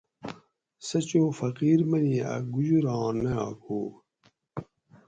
سہ چو فقیر منی اۤ گوجوراں نایٔک ہو